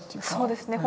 そうですね